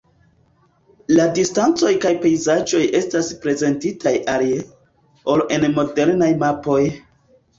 La distancoj kaj pejzaĝoj estas prezentitaj alie, ol en modernaj mapoj.